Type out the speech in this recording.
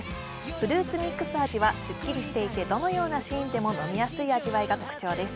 フルーツミックス味はスッキリしていてどのようなシーンでも飲みやすい味わいが特長です。